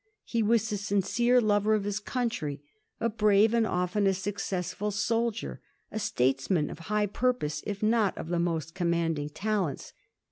He was a sincere lover of his country ; a brave and often a successful soldier ; a statesman of high purpose if not of the most com manding talents.